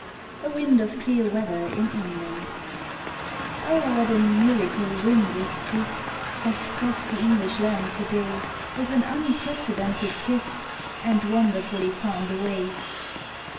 A WIND OF CLEAR WEATHER IN ENGLAND O what a miracle wind is this Has crossed the English land to day With an unprecedented kiss, And wonderfully found a way!